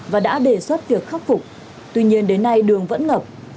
và đã đề xuất việc khắc phục tuy nhiên đến nay đường vẫn ngập